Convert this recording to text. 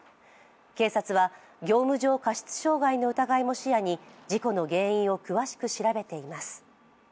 警察は業務上過失傷害の疑いも視野に事故の原因を詳しく調べています。